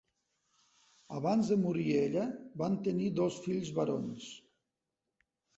Abans de morir ella, van tenir dos fills barons.